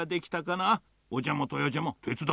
おじゃまとやじゃまてつだって。